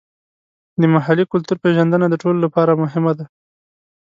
د محلي کلتور پیژندنه د ټولو لپاره مهمه ده.